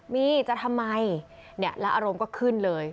มีจะทำไมแล้วอารมณ์ก็ขึ้นเลย